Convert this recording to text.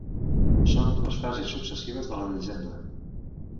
Són dues fases successives de la llegenda.